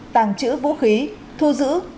tàng trữ vũ khí thu giữ